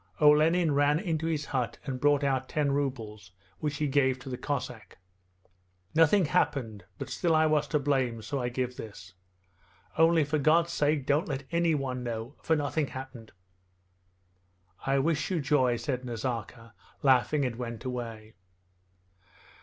Olenin ran into his hut and brought out ten rubles, which he gave to the Cossack. 'Nothing happened, but still I was to blame, so I give this! Only for God's sake don't let anyone know, for nothing happened...' 'I wish you joy,' said Nazarka laughing, and went away.